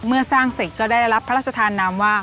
เมื่อสร้างเสร็จก็ได้รับพระราชทานนามว่า